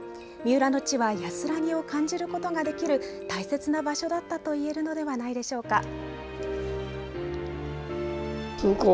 三浦の地は安らぎを感じることができる大切な場所だったと言えるのではないでしょうか。